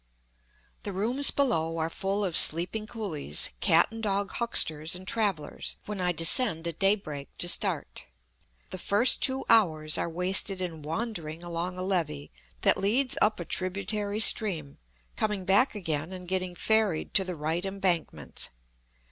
The rooms below are full of sleeping coolies, cat and dog hucksters and travellers, when I descend at day break to start. The first two hours are wasted in wandering along a levee that leads up a tributary stream, coming back again and getting ferried to the right embankment.